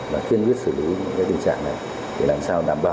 đã kiên quyết xử lý những tình trạng này để làm sao đảm bảo